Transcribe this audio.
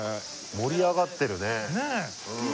盛り上がってるね。ねぇ？